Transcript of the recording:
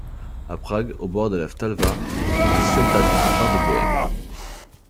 À Prague, au bord de la Vltava, vivent les sept derniers ondins de Bohême.